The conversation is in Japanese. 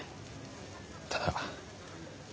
ただ。